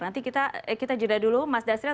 nanti kita kita jelaskan dulu mas dasril